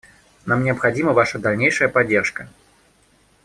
Нам необходима ваша дальнейшая поддержка.